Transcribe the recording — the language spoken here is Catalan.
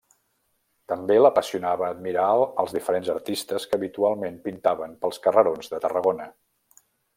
També l'apassionava admirar els diferents artistes que habitualment pintaven pels carrerons de Tarragona.